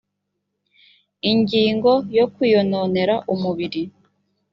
ingingo ya kwiyononera umubiri